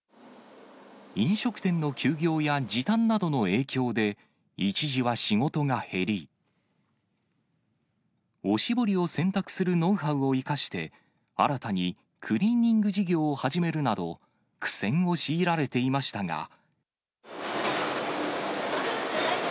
飲食店の休業や時短などの影響で、一時は仕事が減り、おしぼりを洗濯するノウハウを生かして、新たにクリーニング事業を始めるなど、苦戦を強いられていましたが。